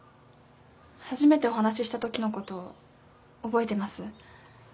初めてお話ししたときのこと覚えてます？